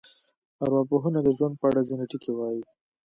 ارواپوهنه د ژوند په اړه ځینې ټکي وایي.